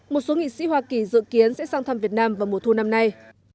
một số nghị sĩ hoa kỳ dự kiến sẽ sang thăm việt nam vào mùa thu năm nay